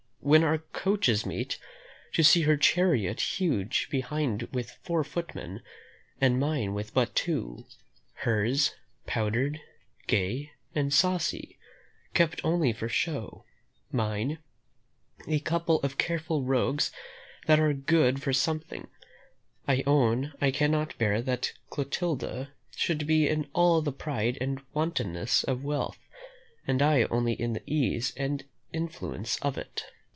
When our coaches meet, to see her chariot hung behind with four footmen, and mine with but two: hers, powdered, gay, and saucy, kept only for show; mine, a couple of careful rogues that are good for something: I own I cannot bear that Clotilda should be in all the pride and wantonness of wealth, and I only in the ease and affluence of it."